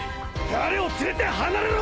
彼を連れて離れろ！